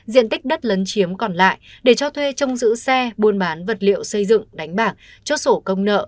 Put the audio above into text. diện tích đất lấn chiếm còn lại để cho thuê trong giữ xe buôn bán vật liệu xây dựng đánh bạc chốt sổ công nợ